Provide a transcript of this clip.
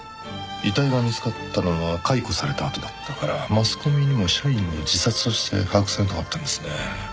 遺体が見つかったのが解雇されたあとだったからマスコミにも社員の自殺として把握されなかったんですね。